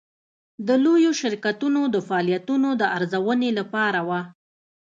د لویو شرکتونو د فعالیتونو د ارزونې لپاره وه.